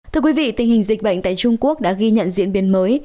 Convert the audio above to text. thưa quý vị tình hình dịch bệnh tại trung quốc đã ghi nhận diễn biến mới